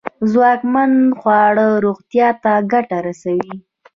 ځواکمن خواړه روغتیا ته گټه رسوي.